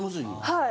はい。